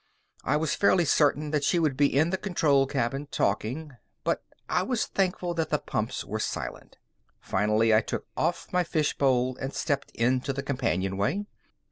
I was fairly certain that she would be in the control cabin, talking, but I was thankful that the pumps were silent. Finally, I took off my fishbowl and stepped into the companionway.